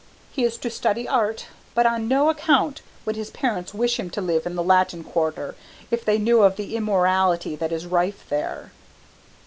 He is to study art, but on no account would his parents wish him to live in the Latin Quarter if they knew of the immorality which is rife there."